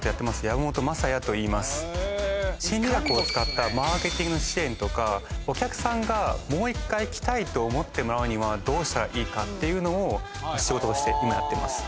山本マサヤといいます心理学を使ったマーケティング支援とかお客さんがもう一回来たいと思ってもらうにはどうしたらいいかっていうのを仕事として今やってます